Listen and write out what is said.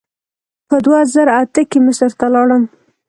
په دوه زره اته کې مصر ته لاړم.